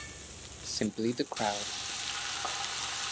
Simply the crowd.